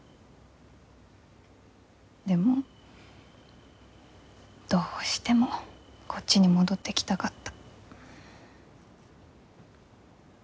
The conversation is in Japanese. でもどうしてもこっちに戻ってきたかった。